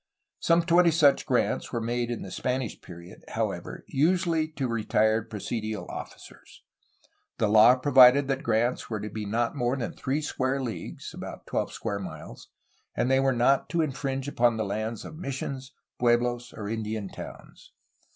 Some twenty such grants were made in the Spanish period, however, usually to retired presidial officers. The law provided that grants were to be not more than three square leagues (about twelve square miles), and they were not to infringe upon the lands of missions, puehlos, or Indian towns.